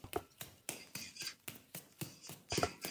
La película se estrenó casi dos años más tarde.